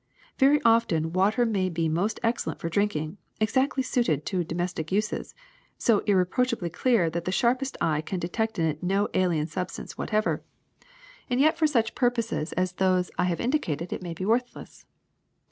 Very often water may be most excellent for drinking, exactly suited to domestic uses, so irre proachably clear that the sharpest eye can detect in it no alien substance whatever ; and yet for such pur 240 THE SECRET OF EVERYDAY THINGS Still poses as those I have indicated it may be worthless.